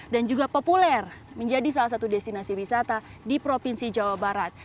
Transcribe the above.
dan juga populer menjadi salah satu destinasi wisata di provinsi jawa barat